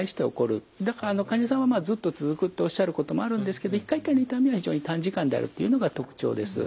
だから患者さんはずっと続くっておっしゃることもあるんですけど一回一回の痛みは非常に短時間であるっていうのが特徴です。